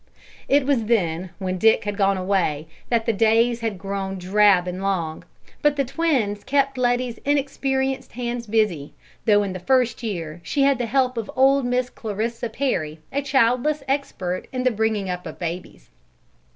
It was then, when Dick had gone away, that the days had grown drab and long, but the twins kept Letty's inexperienced hands busy, though in the first year she had the help of old Miss Clarissa Perry, a childless expert in the bringing up of babies.